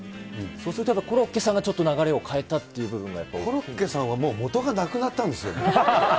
そうすると、やっぱりコロッケさんがちょっと流れを変えたっていう部分がやっコロッケさんはもう、元がなくなったんですよ。